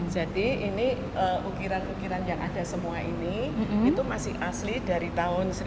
jadi ini ukiran ukiran yang ada semua ini itu masih asli dari tahun seribu delapan ratus enam puluh